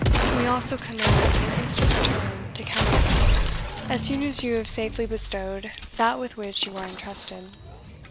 We also command your instant return to Kenilworth as soon as you have safely bestowed that with which you are entrusted.